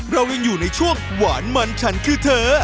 เรายังอยู่ในช่วงหวานมันฉันคือเธอ